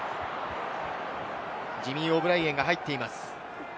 ジミー・オブライエンが入っています。